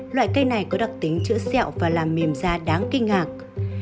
loại cây này có đặc tính chữa và làm mềm da đáng kinh ngạc